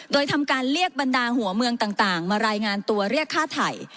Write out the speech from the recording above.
โดยทำการเรียกบรรดาหัวเมืองต่างมารายงานตัวเรียกค่าไถ่